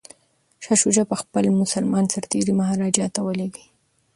شاه شجاع به خپل مسلمان سرتیري مهاراجا ته ور لیږي.